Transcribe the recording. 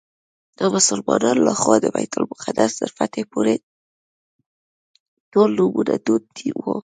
د مسلمانانو له خوا د بیت المقدس تر فتحې پورې ټول نومونه دود وو.